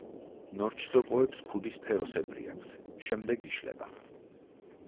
ნორჩ სოკოებს ქუდი სფეროსებრი აქვთ, შემდეგ იშლება.